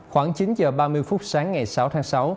khoảng chín h ba mươi phút sáng ngày sáu tháng sáu